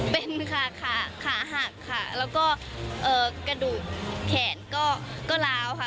เป็นค่ะขาหักค่ะแล้วก็กระดูกแขนก็ล้าวค่ะ